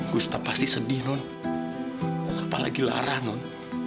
gustaf pasti sedih non apalagi larang non